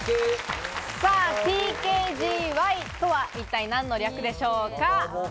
ＴＫＧＹとは一体何の略でしょうか？